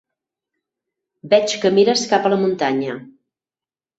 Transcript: Veig que mires cap a la muntanya.